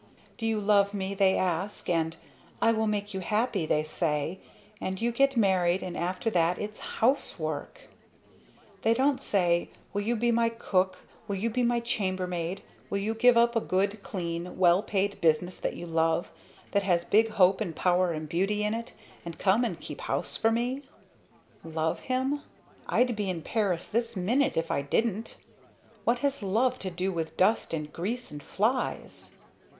"'Do you love me?' they ask, and, 'I will make you happy!' they say; and you get married and after that it's Housework!" "They don't say, 'Will you be my Cook?' 'Will you be my Chamber maid?' 'Will you give up a good clean well paid business that you love that has big hope and power and beauty in it and come and keep house for me?'" "Love him? I'd be in Paris this minute if I didn't! What has 'love' to do with dust and grease and flies!"